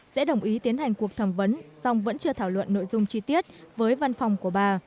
sẽ đồng ý tiến hành cuộc thẩm vấn song vẫn chưa thảo luận nội dung chi tiết với văn phòng của bà